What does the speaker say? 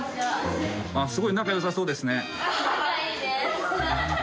すごい仲良さそうですね。